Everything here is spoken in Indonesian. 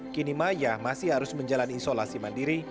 kini maya masih harus menjalani isolasi mandiri